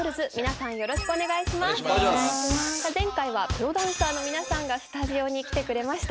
さあ前回はプロダンサーの皆さんがスタジオに来てくれました。